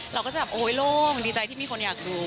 เราก็จะแบบโอ๊ยโล่งดีใจที่มีคนอยากดู